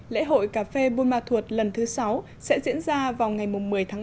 lễ hội cà phê buôn ma thuột lần thứ sáu sẽ diễn ra vào ngày một mươi tháng ba